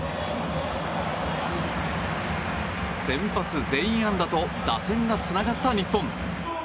先発全員安打と打線がつながった日本。